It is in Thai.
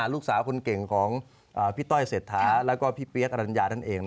ลูกสาวคนเก่งของพี่ต้อยเสดท้าและก็พี่ปริยักษ์อลัญญาท่านเอง